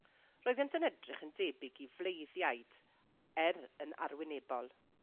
Roeddent yn edrych yn debyg i fleiddiaid, er yn arwynebol.